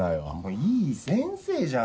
いい先生じゃん！